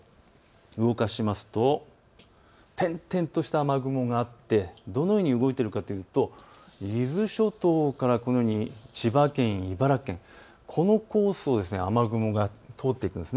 動かしますと点々とした雨雲があってどのように動いているかというと伊豆諸島から千葉県や茨城県、このコースを雨雲が通っていくんです。